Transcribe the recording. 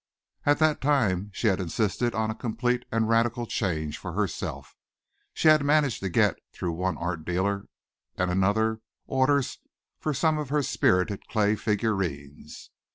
At that time she had insisted on a complete and radical change for herself. She had managed to get, through one art dealer and another, orders for some of her spirited clay figurines.